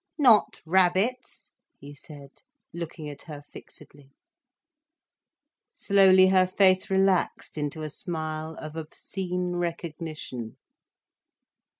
"Not rabbits?" he said, looking at her fixedly. Slowly her face relaxed into a smile of obscene recognition.